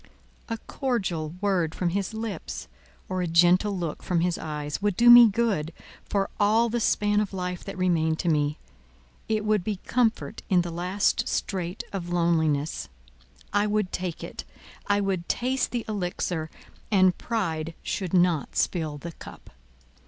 A cordial word from his lips, or a gentle look from his eyes, would do me good, for all the span of life that remained to me; it would be comfort in the last strait of loneliness; I would take it—I would taste the elixir, and pride should not spill the cup.